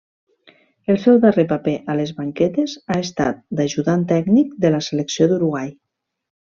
El seu darrer paper a les banquetes ha estat d'ajudant tècnic de la Selecció d'Uruguai.